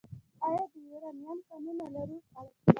آیا د یورانیم کانونه لرو؟